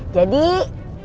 jadi besok kalo ya mas